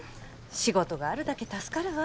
仕事があるだけ助かるわ。